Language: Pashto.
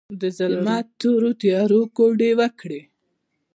د ظلمت تورو تیارو، کوډې وکړې